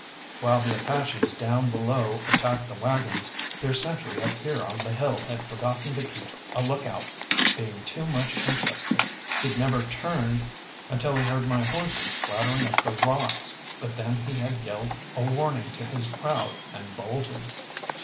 While the Apaches down below attacked the waggons, their sentry up here on the hill had forgotten to keep a look out, being too much interested. He'd never turned until he heard my horses clattering up the rocks, but then he had yelled a warning to his crowd and bolted.